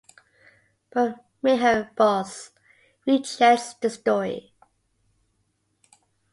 But Mihir Bose rejects this story.